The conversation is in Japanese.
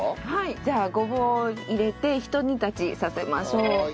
じゃあごぼうを入れてひと煮立ちさせましょう。